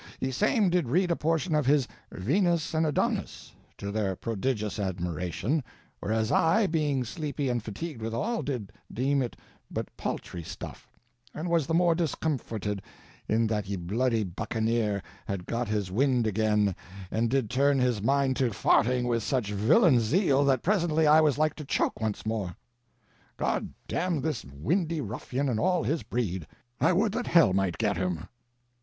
Ye same did rede a portion of his "Venus and Adonis," to their prodigious admiration, whereas I, being sleepy and fatigued withal, did deme it but paltry stuff, and was the more discomforted in that ye blody bucanier had got his wind again, and did turn his mind to farting with such villain zeal that presently I was like to choke once more. God damn this windy ruffian and all his breed. I wolde that hell mighte get him.